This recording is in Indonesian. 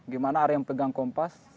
gimana ada yang pegang kompas